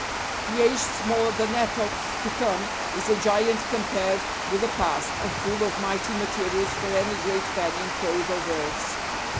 The age, smaller than epochs to come, is a giant compared with the past, and full of mighty materials for any great pen in prose or verse.